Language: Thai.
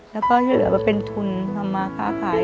แล้วก็ที่เหลือไว้เป็นทุนทำมาค้าขาย